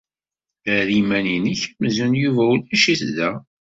Err iman-nnek amzun Yuba ulac-it da.